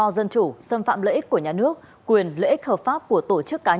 xin chào các bạn